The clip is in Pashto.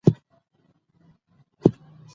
او پۀ تندې ايساره نۀ شوه